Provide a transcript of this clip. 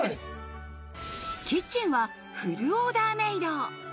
キッチンはフルオーダーメイド。